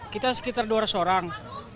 kita sekitar dua ratus orang